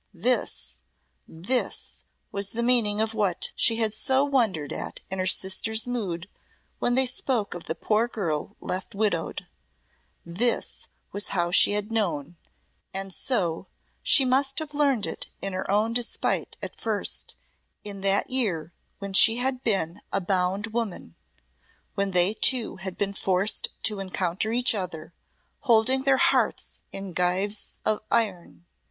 This this was the meaning of what she had so wondered at in her sister's mood when they spoke of the poor girl left widowed; this was how she had known, and if so, she must have learned it in her own despite at first, in that year when she had been a bound woman, when they two had been forced to encounter each other, holding their hearts in gyves of iron and making no sound or sign.